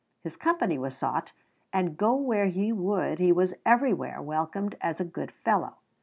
His company was sought, and go where he would he was everywhere welcomed as a good fellow.